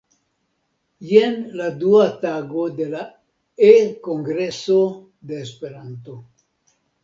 Jen la dua tago de la E-kongreso de Esperanto.